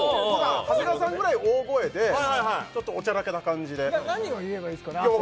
長谷川さんぐらい大声でちょっとおちゃらけた感じで何を言えばいいですかね？